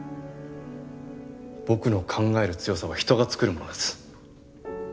僕の考える「強さ」は人が作るものです。